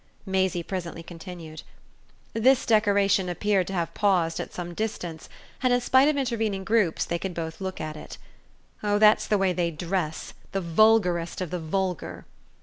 Maisie presently continued. This decoration appeared to have paused at some distance, and in spite of intervening groups they could both look at it. "Oh that's the way they dress the vulgarest of the vulgar!"